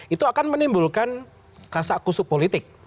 itu akan menimbulkan kasak kusuk politik